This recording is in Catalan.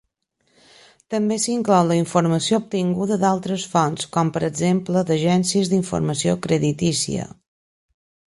També s'inclou la informació obtinguda d'altres fonts, com per exemple d'agències d'informació creditícia.